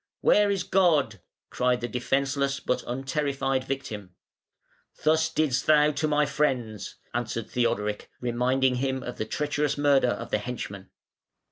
"Where is God?" cried the defenceless but unterrified victim. "Thus didst thou to my friends", answered Theodoric, reminding him of the treacherous murder of the "henchmen".